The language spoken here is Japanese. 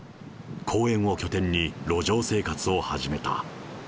公園を拠点に、路上生活を始めた。